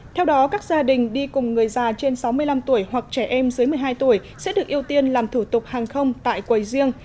theo đó các gia đình đi cùng người già trên sáu mươi năm tuổi hoặc trẻ em dưới một mươi hai tuổi sẽ được ưu tiên làm thủ tục hàng không tại quầy riêng